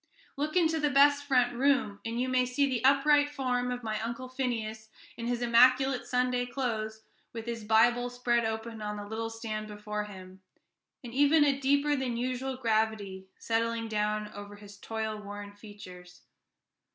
Look into the best front room, and you may see the upright form of my Uncle Phineas, in his immaculate Sunday clothes, with his Bible spread open on the little stand before him, and even a deeper than usual gravity settling down over his toil worn features.